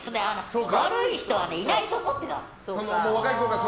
悪い人はいないと思ってたの。